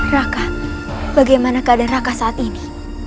raka bagaimana keadaan raka saat ini